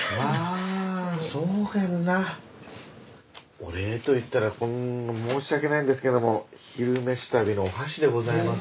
お礼と言ったら申し訳ないんですけども「昼めし旅」のお箸でございます。